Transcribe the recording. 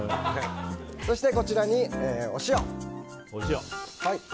そして、こちらにお塩。